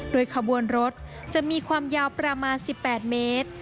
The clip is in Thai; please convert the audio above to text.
โดยขบวนรถจะมีความยาวประมาณ๑๘เมตร